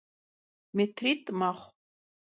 Mêtrit' mexhu.